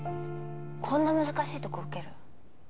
こんな難しいとこ受けるん？